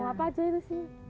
apa itu sih